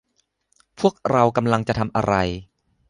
พวกเรากำลังจะทำอะไร